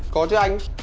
có chứ anh